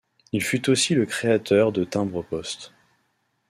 Il fut aussi le créateur de timbres-poste.